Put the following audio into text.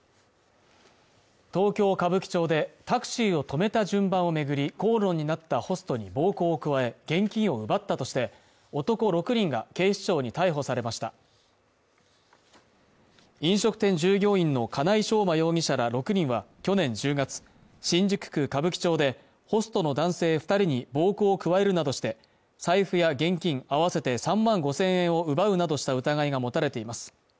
東京・歌舞伎町でタクシーを止めた順番をめぐり口論になったホストに暴行を加え現金を奪ったとして男６人が警視庁に逮捕されました飲食店従業員の金井将馬容疑者ら６人は去年１０月新宿区歌舞伎町でホストの男性二人に暴行を加えるなどして財布や現金合わせて３万５０００円を奪うなどした疑いが持たれています